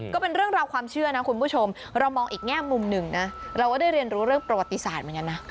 ก็เป็นเรื่องราวความเชื่อนะคุณผู้ชมเรามองอีกแง่มุมหนึ่งนะเราก็ได้เรียนรู้เรื่องประวัติศาสตร์เหมือนกันนะ